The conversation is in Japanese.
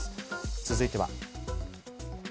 続いては。